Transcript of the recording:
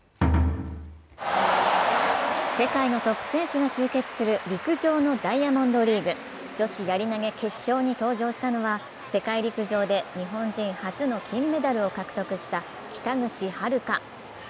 世界のトップ選手が集結する陸上のダイヤモンドリーグ。女子やり投げ決勝に登場したのは世界陸上で日本人初の金メダルを獲得した北口榛花。